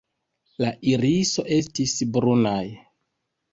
La iriso estis brunaj.